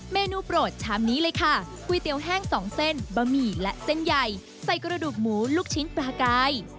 เมนูโปรดชามนี้เลยค่ะก๋วยเตี๋ยวแห้ง๒เส้นบะหมี่และเส้นใหญ่ใส่กระดูกหมูลูกชิ้นปลากาย